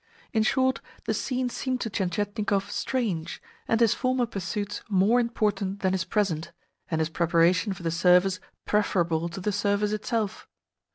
In short, the scene seemed to Tientietnikov strange, and his former pursuits more important than his present, and his preparation for the Service preferable to the Service itself.